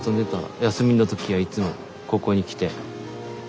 休みの時はいつもここに来て。